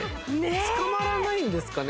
捕まらないんですかね？